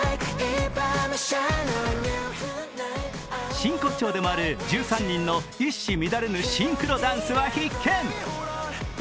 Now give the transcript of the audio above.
真骨頂でもある１３人の一糸乱れぬシンクロダンスは必見。